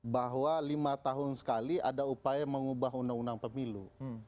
bahwa lima tahun sekali ada upaya mengubah undang undang pemilu